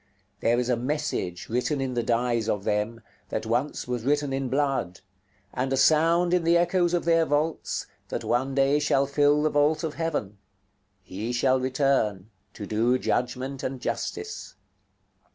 There is a message written in the dyes of them, that once was written in blood; and a sound in the echoes of their vaults, that one day shall fill the vault of heaven, "He shall return, to do judgment and justice."